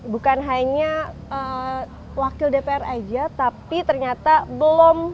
bukan hanya wakil dpr aja tapi ternyata belum